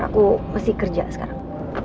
aku pasti kerja sekarang